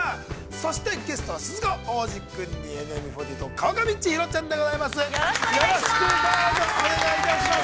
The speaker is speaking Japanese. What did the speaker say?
そしてゲストは、鈴鹿央士君に、ＮＭＢ４８の川上千尋ちゃんでございます。